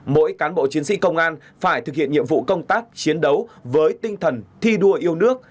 mỗi cán bộ chiến sĩ công an phải thực hiện nhiệm vụ công tác chiến đấu với tinh thần thi đua yêu nước